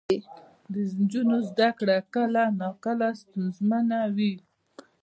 د نجونو زده کړه کله ناکله ستونزمنه وي.